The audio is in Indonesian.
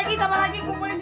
penting gua kurang